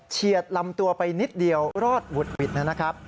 ลำตัวไปนิดเดียวรอดหวุดหวิดนะครับ